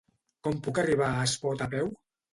Com puc arribar a Espot a peu?